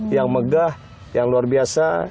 yang megah yang luar biasa